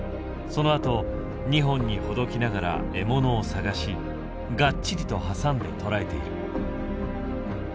そのあと２本にほどきながら獲物を探しがっちりと挟んで捕らえている。